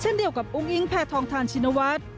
เช่นเดียวกับอุ้งอิงแพทองทานชินวัฒน์